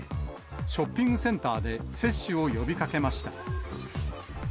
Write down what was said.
ショッピングセンターで接種を呼びかけました。